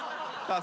あ！